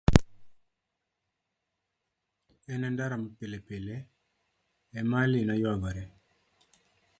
En e ndara pilepile, Emali noyuagore.